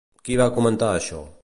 Qui va comentar això?